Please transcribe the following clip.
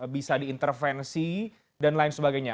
bisa diintervensi dan lain sebagainya